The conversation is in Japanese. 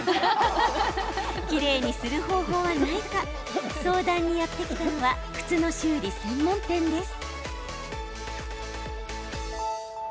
きれいにする方法はないか相談にやって来たのは靴の修理専門店です。